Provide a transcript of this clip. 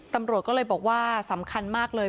ตำรวจก็เลยบอกว่าสำคัญมากเลย